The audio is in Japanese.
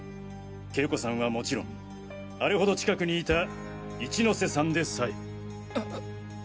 景子さんはもちろんあれほど近くにいた一ノ瀬さんでさえ。